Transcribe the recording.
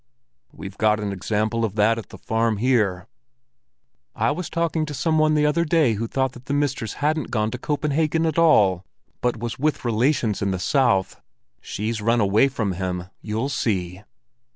We've got an example of that at the farm here." "I was talking to some one the other day who thought that the mistress hadn't gone to Copenhagen at all, but was with relations in the south. She's run away from him, you'll see!"